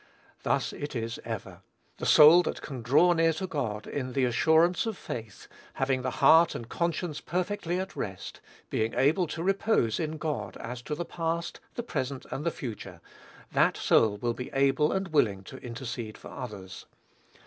Thus it is ever. The soul that can "draw near to God," in the assurance of faith, having the heart and conscience perfectly at rest, being able to repose in God as to the past, the present, and the future, that soul will be able and willing to intercede for others.